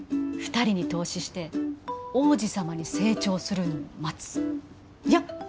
２人に投資して王子様に成長するのを待ついや